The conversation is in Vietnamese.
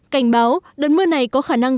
cảnh báo đợt mưa này có khả năng